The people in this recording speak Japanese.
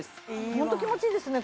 ホント気持ちいいですね